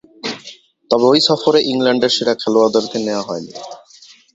তবে, ঐ সফরে ইংল্যান্ডের সেরা খেলোয়াড়দেরকে নেয়া হয়নি।